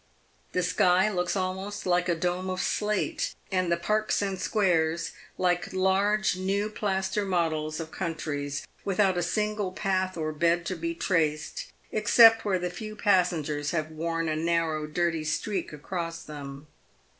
The sky looks almost like a dome of slate, and the parks and squares like large new plaster models of countries without a single path or bed to be traced, except where the few passengers have worn a narrow dirty streak across them.